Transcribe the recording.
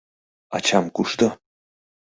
— Ачам кушто?